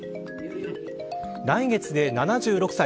来月で７６歳。